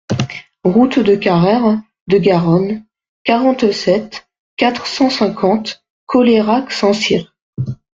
Route de Carrère de Garonne, quarante-sept, quatre cent cinquante Colayrac-Saint-Cirq